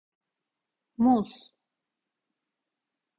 Muz…